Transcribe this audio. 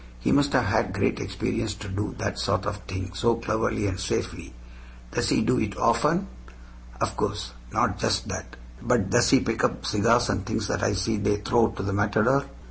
He must have had great experience to do that sort of thing so cleverly and safely. Does he do it often? Of course, not just that. But does he pick up cigars and things that I see they throw to the matador?